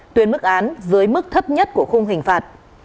tuyên mức án dưới mức thấp nhất của khung hình phạt